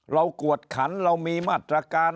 กวดขันเรามีมาตรการ